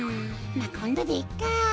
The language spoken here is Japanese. まあこんどでいっか。